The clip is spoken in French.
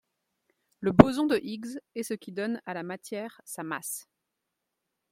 Le boson de Higgs est ce qui donne à la matière, sa masse.